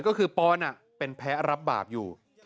ก็คือปอนเป็นแพ้รับบาปอยู่